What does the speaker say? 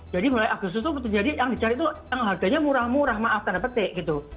jadi mulai agustus itu yang dicari itu harganya murah murah maaf tanda petik gitu